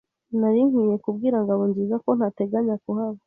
Nari nkwiye kubwira Ngabonzizako ntateganya kuhaba.